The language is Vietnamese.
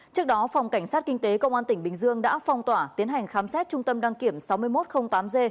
trước đó phòng cảnh sát kinh tế công an tỉnh bình dương đã phong tỏa tiến hành khám xét trung tâm đăng kiểm sáu nghìn một trăm linh tám g